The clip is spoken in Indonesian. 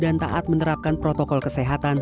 dan taat menerapkan protokol kesehatan